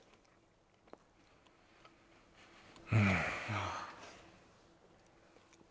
うんああ